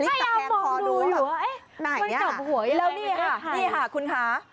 ขาดอยู่เหรออะไรอย่างนี้ค่ะแล้วนี่ค่ะคุณคะ